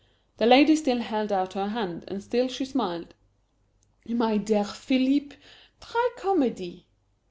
The lady still held out her hand, and still she smiled. "My dear Philippe try comedy!"